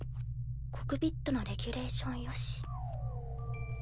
コクピットのレギュレーションよし。